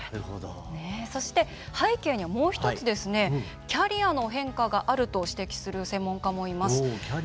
そして、背景にはもう１つキャリアの変化があると指摘する専門家もいます。